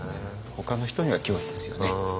ほかの人には脅威ですよね。